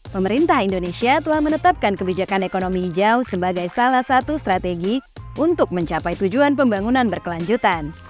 pemerintah indonesia telah menetapkan kebijakan ekonomi hijau sebagai salah satu strategi untuk mencapai tujuan pembangunan berkelanjutan